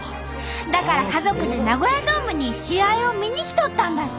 だから家族でナゴヤドームに試合を見に来とったんだって！